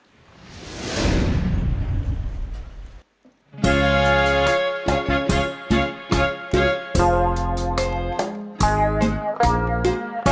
น้ำอึ้งอยู่เล็กน้อย